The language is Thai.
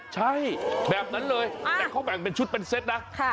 ใช่แบบนั้นเลยแต่เขาแบ่งเป็นชุดเป็นเซตนะ